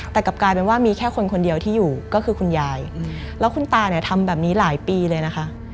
แต่กลับกลายเป็นว่ามีแค่คนคนเดียวที่อยู่ก็คือคุณยายแล้วคุณตาเนี่ยทำแบบนี้หลายปีเลยนะคะ